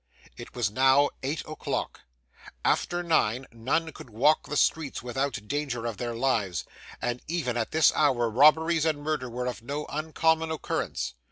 It was now eight o'clock. After nine, none could walk the streets without danger of their lives, and even at this hour, robberies and murder were of no uncommon occurrence.